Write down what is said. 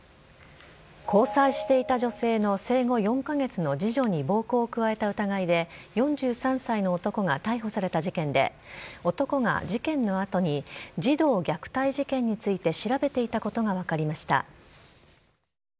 交際していた女性の生後４か月の次女に暴行を加えた疑いで、４３歳の男が逮捕された事件で、男が事件のあとに、児童虐待事件について調べていたことが分かりました。